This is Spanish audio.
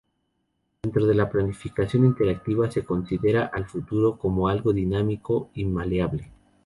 Dentro de la planificación interactiva se considera al futuro como algo dinámico y maleable.